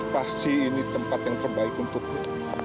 pasti ini tempat yang terbaik untukmu